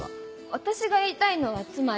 私が言いたいのはつまり。